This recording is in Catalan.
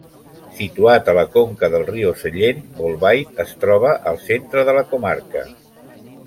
Situat a la conca del riu Sellent, Bolbait es troba al centre de la comarca.